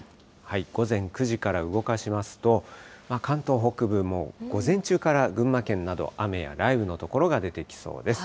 午前９時から動かしますと、関東北部も午前中から群馬県など、雨や雷雨の所が出てきそうです。